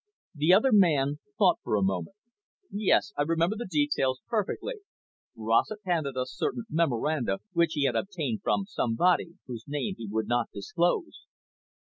The other man thought a moment. "Yes, I remember the details perfectly. Rossett handed us certain memoranda which he had obtained from somebody, whose name he would not disclose."